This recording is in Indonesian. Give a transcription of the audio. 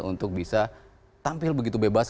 untuk bisa tampil begitu bebas